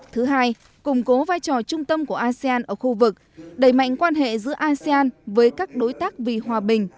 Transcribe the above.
thứ hai củng cố vai trò trung tâm của asean ở khu vực đẩy mạnh quan hệ giữa asean với các đối tác vì hòa bình